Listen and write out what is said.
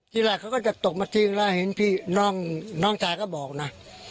ทีแรกเขาก็จะตกมาทิ้งแล้วเห็นพี่น้องชายก็บอกนะ